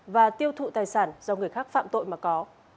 và tiêu thụ tài sản do người khác phạm tội mà có